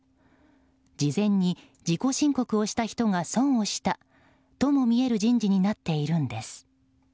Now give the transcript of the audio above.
事前に自己申告をした人が損をしたとも見える人事になっているんです。